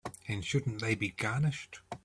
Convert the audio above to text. And shouldn't they be garnished?